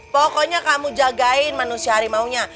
pokoknya kamu jagain manusia harimaunya